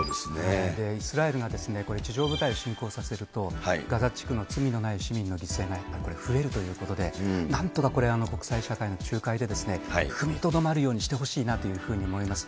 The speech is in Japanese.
イスラエルがこれ、地上部隊を侵攻させると、ガザ地区の罪のない市民の犠牲が増えるということで、なんとかこれ、国際社会の仲介で、踏みとどまるようにしてほしいなというふうに思います。